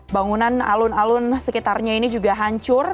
bangunan alun alun sekitarnya ini juga hancur